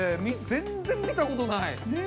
全然見たことない。